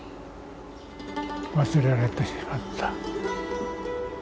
忘れられてしまった。